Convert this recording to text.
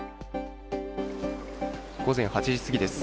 午前８時過ぎです。